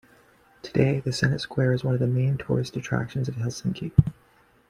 Today, the Senate Square is one of the main tourist attractions of Helsinki.